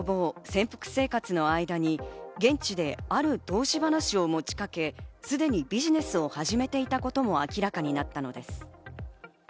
潜伏生活の間に、現地である投資話を持ちかけ、すでにビジネスを始めていたことも明らかになったのです。